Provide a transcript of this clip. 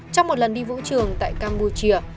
trong một lần đi vũ trường tại campuchia